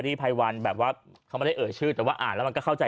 ภัยวันแบบว่าเขาไม่ได้เอ่ยชื่อแต่ว่าอ่านแล้วมันก็เข้าใจ